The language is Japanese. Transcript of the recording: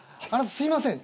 すいません